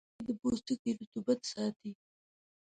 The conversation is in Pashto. خټکی د پوستکي رطوبت ساتي.